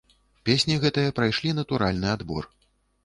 Песні гэтыя прайшлі натуральны адбор.